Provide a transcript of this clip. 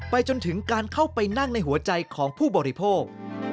จนถึงการเข้าไปนั่งในหัวใจของผู้บริโภค